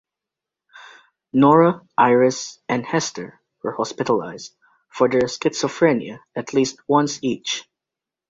Nora, Iris, and Hester were hospitalized for their schizophrenia at least once each.